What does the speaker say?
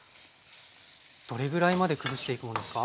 どれぐらいまでくずしていくものですか？